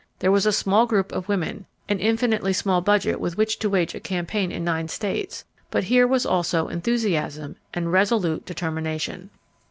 There was a small group of women, an infinitely small budget with which to wage a campaign in nine states, but here was also enthusiasm and resolute determination.